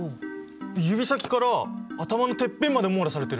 指先から頭のてっぺんまで網羅されてる！